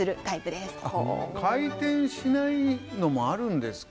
あっ回転しないのもあるんですか？